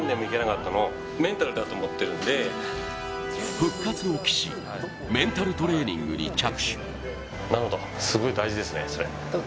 復活を期し、メンタルトレーニングに着手。